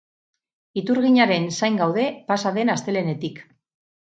Iturginaren zain gaude pasa den astelehenetik.